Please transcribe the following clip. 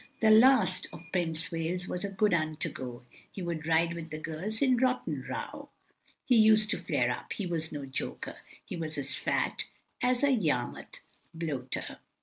The last Prince of Wales was a good'un to go, He would ride with the girls in Rotten Row, He use to flare up, he was no joker, He was as fat as a Yarmouth bloater.